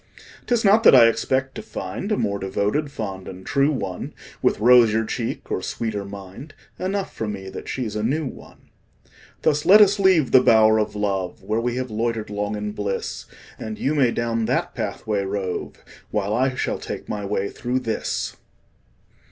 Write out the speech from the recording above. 'Tis not that I expect to find A more devoted, fond and true one, With rosier cheek or sweeter mind Enough for me that she's a new one. Thus let us leave the bower of love, Where we have loitered long in bliss; And you may down that pathway rove, While I shall take my way through this.